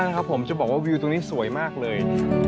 ครับผมจะบอกว่าวิวตรงนี้สวยมากเลย